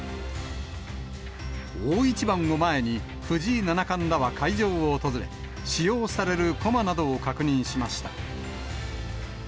大一番を前に、藤井七冠らは会場を訪れ、使用される駒などを確認しました。